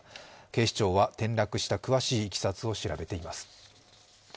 警視庁は、転落した詳しいいきさつを調べています。